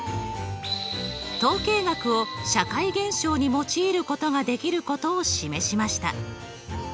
統計学を社会現象に用いることができることを示しました。